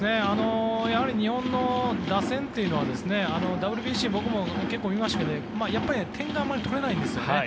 日本の打線というのはＷＢＣ、僕も結構見ましたけどやっぱり点があまり取れないんですよね。